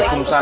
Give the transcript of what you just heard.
di sini ya